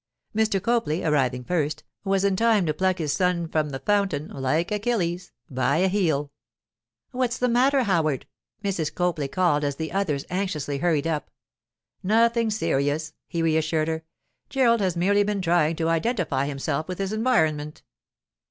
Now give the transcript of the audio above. Mr. Copley, arriving first, was in time to pluck his son from the fountain, like Achilles, by a heel. 'What's the matter, Howard?' Mrs. Copley called as the others anxiously hurried up. 'Nothing serious,' he reassured her. 'Gerald has merely been trying to identify himself with his environment.